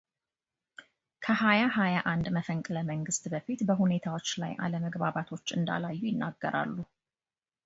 ከሀያ ሀያ አንድ መፈንቅለ መንግሥት በፊት በሁኔታዎች ላይ አለመግባባቶች እንዳላዩ ይናገራሉ።